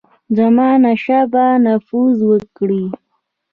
زمانشاه به نفوذ وکړي.